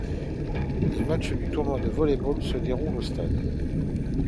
Les matches du tournoi de volley-ball se déroulent au Stade.